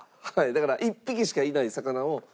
だから１匹しかいない魚を。